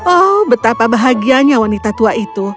oh betapa bahagianya wanita tua itu